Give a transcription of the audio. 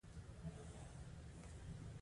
د چمن اواز د دوی زړونه ارامه او خوښ کړل.